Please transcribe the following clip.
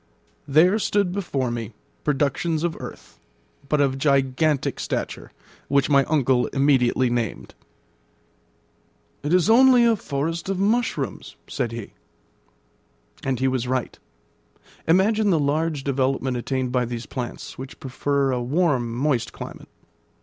There stood before me productions of earth, but of gigantic stature, which my uncle immediately named. "It is only a forest of mushrooms," said he. And he was right. Imagine the large development attained by these plants, which prefer a warm, moist climate.